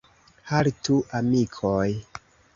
Haltu, amikoj!